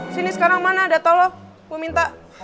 sini sekarang mana data lo gue minta